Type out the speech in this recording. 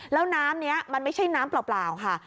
แล้วน้ำนี้มันไม่ใช่น้ำเปล่าค่ะ